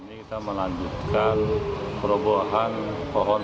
ini kita melanjutkan perobohan pohon